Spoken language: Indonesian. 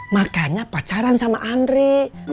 makanya pacaran sama andri